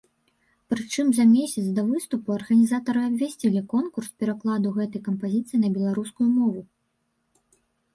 Прычым за месяц да выступу арганізатары абвясцілі конкурс перакладу гэтай кампазіцыі на беларускую мову.